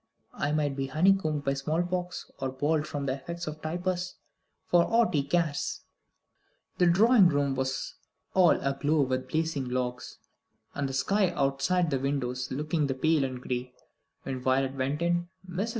I might be honeycombed by the small pox, or bald from the effects of typhus, for aught he cares." The drawing room was all aglow with blazing logs, and the sky outside the windows looking pale and gray, when Violet went in. Mrs.